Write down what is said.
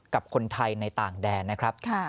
กับคนไทยในต่างแดนนะครับ